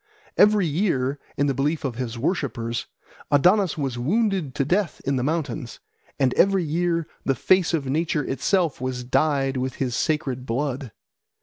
Every year, in the belief of his worshippers, Adonis was wounded to death on the mountains, and every year the face of nature itself was dyed with his sacred blood.